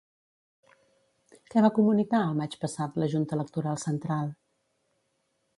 Què va comunicar, el maig passat, la Junta Electoral Central?